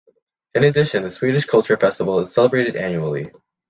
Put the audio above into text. In addition, the Swedish culture festival is celebrated annually.